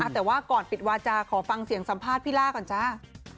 แต่ว่าก่อนปิดวาจาขอฟังเสียงสัมภาษณ์พี่ล่าก่อนจ้า